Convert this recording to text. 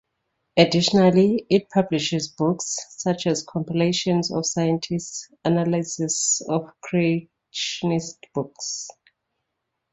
Additionally, it publishes books, such as a compilation of scientific analyses of creationist books.